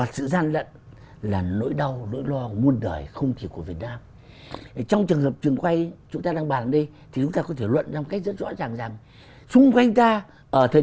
sai phép phạm luật